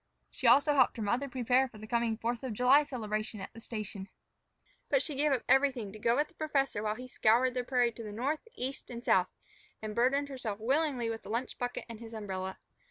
She also helped her mother prepare for the coming Fourth of July celebration at the station. But she gave up everything to go with the professor while he scoured the prairie to the north, east, and south, and burdened herself willingly with the lunch bucket and his umbrella.